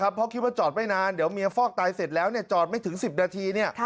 เพราะคิดว่าจอดไม่นานเดี๋ยวเมียฟอกตายเสร็จแล้วจอดไม่ถึง๑๐นาที